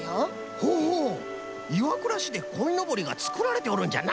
ほほう岩倉市でこいのぼりがつくられておるんじゃな。